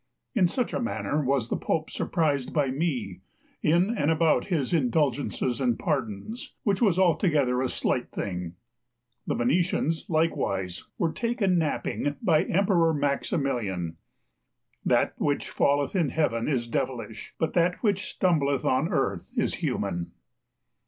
In such a manner was the Pope surprised by me, in and about his indulgences and pardons, which was altogether a slight thing. The Venetians, likewise, were taken napping by Emperor Maximilian. That which falleth in Heaven is devilish, but that which stumbleth on earth is human.